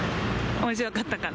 おもしろかったから。